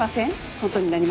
本当に何も。